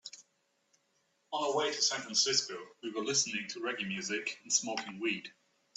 On our way to San Francisco, we were listening to reggae music and smoking weed.